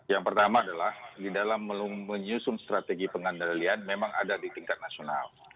yang pertama adalah di dalam menyusun strategi pengendalian memang ada di tingkat nasional